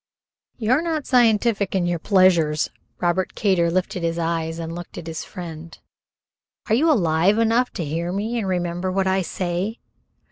"You're not scientific in your pleasures." Robert Kater lifted his eyes and looked at his friend. "Are you alive enough to hear me and remember what I say?